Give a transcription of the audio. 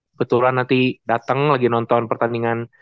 kebetulan nanti datang lagi nonton pertandingan